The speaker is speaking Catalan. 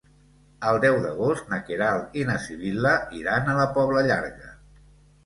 El deu d'agost na Queralt i na Sibil·la iran a la Pobla Llarga.